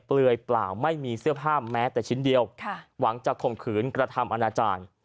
เปลือยเปล่าไม่มีเสื้อผ้าแม้แต่ชิ้นเดียวหวังจะข่มขืนกระทำอนาจารย์